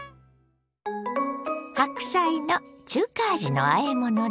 白菜の中華味のあえものです。